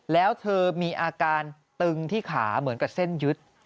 แล้วเธอมีอาการตึงที่ขาเหมือนกับเส้นยึด